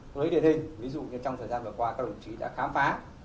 với địa hình ví dụ như trong thời gian vừa qua các đồng chí đã khám phá